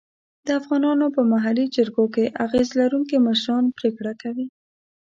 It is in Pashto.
د افغانانو په محلي جرګو کې اغېز لرونکي مشران پرېکړه کوي.